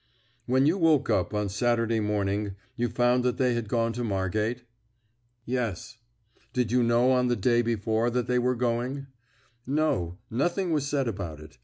"When you woke up on Saturday morning you found that they had gone to Margate?" "Yes." "Did you know on the day before that they were going?" "No, nothing was said about it.